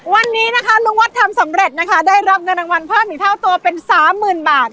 วันนี้นะคะลุงวัดทำสำเร็จนะคะได้รับเงินรางวัลเพิ่มอีกเท่าตัวเป็นสามหมื่นบาท